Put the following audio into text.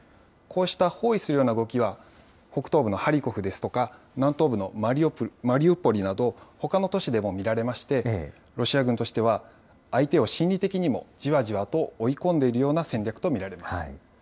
こうした包囲するような動きは、北東部のハリコフですとか、南東部のマリウポリなど、ほかの都市でも見られまして、ロシア軍としては、相手を心理的にもじわじわと追い込んでいるような戦略と見られます。